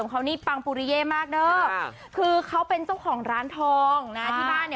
แค่ทำหน้าหล่อหล่อแบบนี้